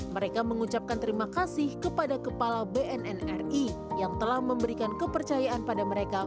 mereka mengucapkan terima kasih kepada kepala bnnri yang telah memberikan kepercayaan pada mereka